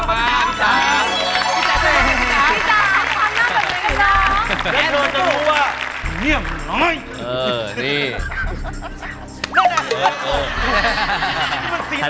พี่จ้ามามา